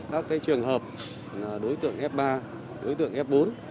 các trường hợp đối tượng f ba đối tượng f bốn